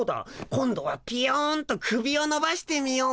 今度はピヨンと首をのばしてみよう。